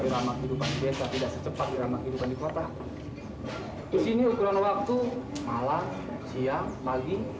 irama kehidupan desa tidak secepat irama kehidupan di kota di sini ukuran waktu malam siang pagi